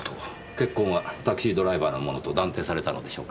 血痕はタクシードライバーのものと断定されたのでしょうか？